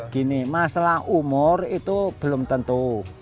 gini masalah umur itu belum tentu